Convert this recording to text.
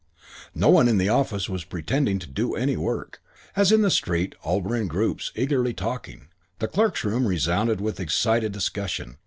IV No one in the office was pretending to do any work. As in the street, all were in groups eagerly talking. The clerks' room resounded with excited discussion.